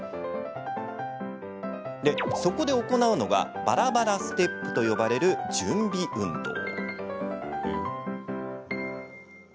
そこで行うのがバラバラステップと呼ばれる準備運動。